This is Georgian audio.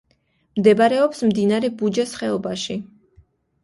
მდებარეობს მდინარე ბუჯას ხეობაში.